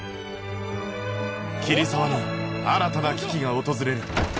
桐沢に新たな危機が訪れる